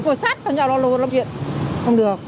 cô sát vào nhà lo lộn lo chuyện không được